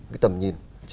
cái tầm nhìn